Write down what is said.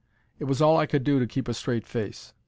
It was all I could do to keep a straight face.